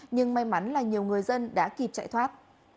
nhưng may mắn là nhiều người dân đã kịp chạy thoát